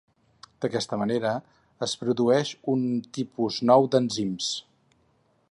D'aquesta manera es produeix un tipus nou d'enzims.